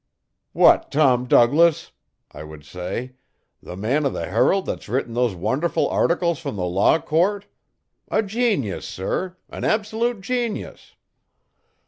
"What Tom Douglass?" I would say, "the man o' the Herald that's written those wonderful articles from the law court? A genius, sir! an absolute genius!"